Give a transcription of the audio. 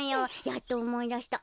やっとおもいだした。